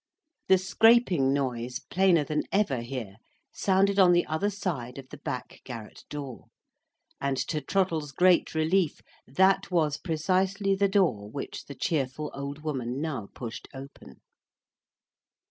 The scraping noise, plainer than ever here, sounded on the other side of the back garret door; and, to Trottle's great relief, that was precisely the door which the cheerful old woman now pushed open.